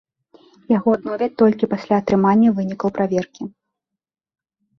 Яго адновяць толькі пасля атрымання вынікаў праверкі.